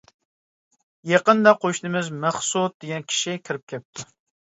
يېقىندا قوشنىمىز مەخسۇت دېگەن كىشى كىرىپ كەپتۇ.